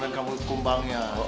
dan kamu kembangnya